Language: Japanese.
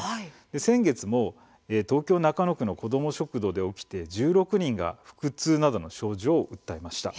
先月も東京中野区のこども食堂で起きて１６人が腹痛などの症状を訴えました。